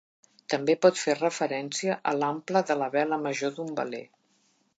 També pot fer referència a l'ample de la vela major d'un veler.